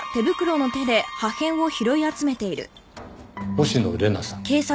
星野玲奈さん